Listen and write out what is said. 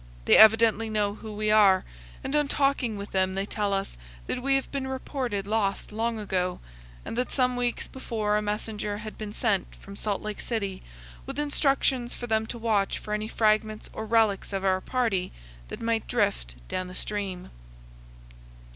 They evidently know who we are, and on talking with them they tell us that we have been reported lost long ago, and that some weeks before a messenger had been sent from Salt Lake City with instructions for them to watch for any fragments or relics of our party that might drift down the stream.